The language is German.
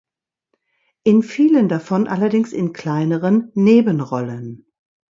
In vielen davon allerdings in kleineren Nebenrollen.